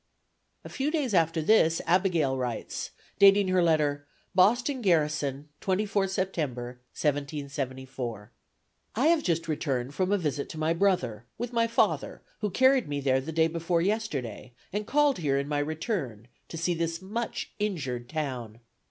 A few days after this, Abigail writes, dating her letter "Boston Garrison, 24 September, 1774." "I have just returned from a visit to my brother, with my father, who carried me there the day before yesterday, and called here in my return, to see this much injured town.